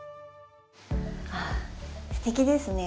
あすてきですね。